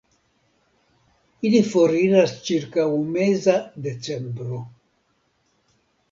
Ili foriras ĉirkaŭ meza decembro.